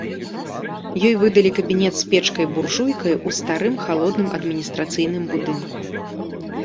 Ёй выдалі кабінет з печкай-буржуйкай у старым халодным адміністрацыйным будынку.